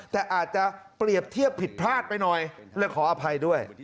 แต่อาจจะเปรียบเทียบผิดพลาดไปหน่อยและขออภัยด้วย